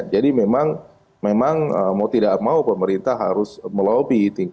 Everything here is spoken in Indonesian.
jadi memang mau tidak mau pemerintah harus melobby tingkat